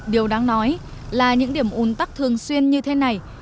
điều đáng nói là những điểm ủn tắc thường xuyên như thế này